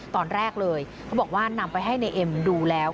ตอนแรกเลยเขาบอกว่านำไปให้นายเอ็มดูแล้ว